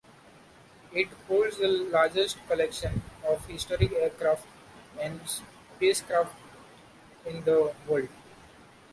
It holds the largest collection of historic aircraft and spacecraft in the world.